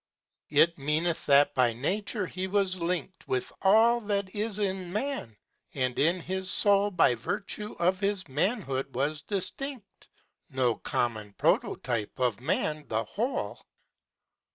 It meaneth that by nature he was linked With all that is in man, and in his soul By virtue of this manhood was distin6l. No common prototype of Man the whole.